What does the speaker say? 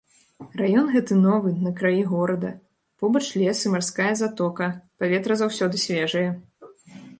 Раён гэты новы, на краі горада, побач лес і марская затока, паветра заўжды свежае.